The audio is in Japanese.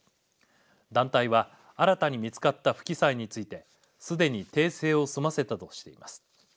団体は新たに見つかった不記載についてすでに訂正を済ませたとしています。